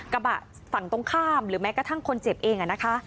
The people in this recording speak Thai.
กระบะฝั่งตรงข้ามหรือแม้กระทั่งคนเจ็บเองนะคะ